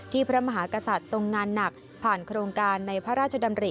พระมหากษัตริย์ทรงงานหนักผ่านโครงการในพระราชดำริ